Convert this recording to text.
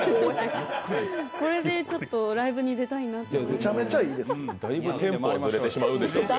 これでちょっとライブに出たいなと。